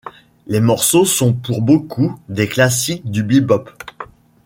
Les morceaux sont pour beaucoup des classiques du bebop.